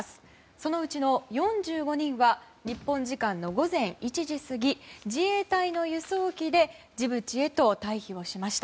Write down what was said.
そのうちの４５人は日本時間の午前１時過ぎ自衛隊の輸送機でジブチへと退避をしました。